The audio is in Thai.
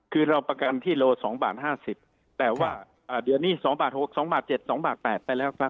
คือเราประกันที่โล๒บาท๕๐แต่ว่าเดี๋ยวนี้๒บาท๖๒บาท๗๒บาท๘ไปแล้วครับ